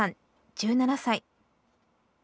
１７歳。